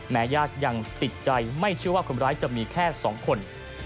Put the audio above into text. ญาติยังติดใจไม่เชื่อว่าคนร้ายจะมีแค่๒คน